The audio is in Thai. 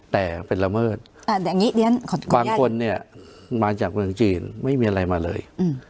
แต่เป็นละเมิดอย่างนี้บางคนเนี่ยมาจากเมืองจีนไม่มีอะไรมาเลย